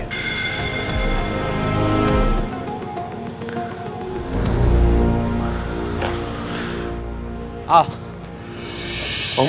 tidak ada apa apa